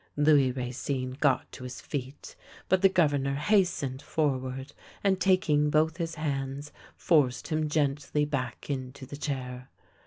Louis Racine got to his feet, but the Governor hast ened forward, and, taking both his hands, forced him gently back into the chair.